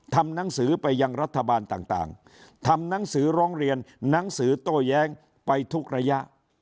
ทำหนังสือไปยังรัฐบาลต่างทำหนังสือร้องเรียนหนังสือโต้แย้งไปทุกระยะ